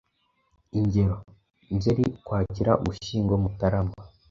Ingero: Nzeri, Ukwakira, Ugushyingo, Mutarama …